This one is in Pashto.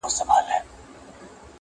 راسه چي له ځان سره ملنګ دي کم-